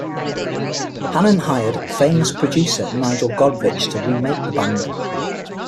Hannon hired famous producer Nigel Godrich to "remake" the band.